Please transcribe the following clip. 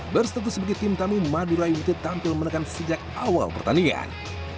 berstatus sebagai tim tamu madura united tampil menekan sejak awal pertandingan